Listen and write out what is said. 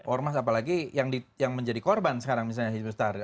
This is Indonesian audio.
ormas apalagi yang menjadi korban sekarang misalnya hizbut tahrir